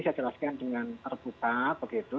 saya jelaskan dengan terbuka begitu